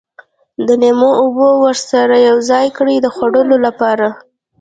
د لیمو اوبه ورسره یوځای کړي د خوړلو لپاره.